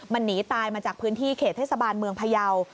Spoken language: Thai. มันหนีตายมาจากพื้นที่เขตเทศบาลเมืองพยาว